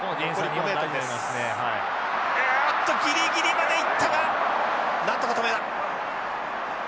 あっとギリギリまで行ったがなんとか止めた。